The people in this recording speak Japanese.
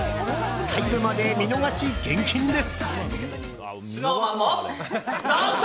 細部まで見逃し厳禁です！